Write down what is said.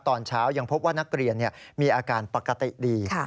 ตอนเช้ายังพบว่านักเรียนมีอาการปกติดี